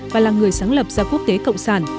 và là người sáng lập ra quốc tế cộng sản